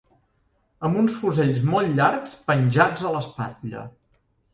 amb uns fusells molt llargs penjats a l'espatlla